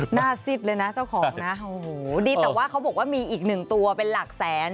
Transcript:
ซิดเลยนะเจ้าของนะโอ้โหดีแต่ว่าเขาบอกว่ามีอีกหนึ่งตัวเป็นหลักแสน